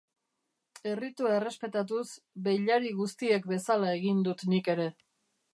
Erritua errespetatuz, beilari guztiek bezala egin dut nik ere.